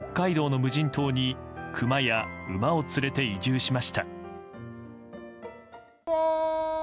１９７１年には北海道の無人島にクマや馬を連れて移住しました。